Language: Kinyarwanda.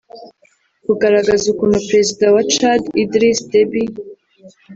bugaragaza ukuntu Perezida wa Chad Idriss Deby